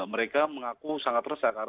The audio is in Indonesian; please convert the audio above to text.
mereka mengaku sangat resah